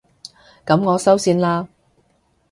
噉我收線喇